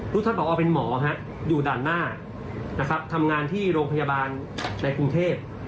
ลูกท่านพอเป็นหมออยู่ด่านหน้าทำงานที่โรงพยาบาลในกรุงเทพฯ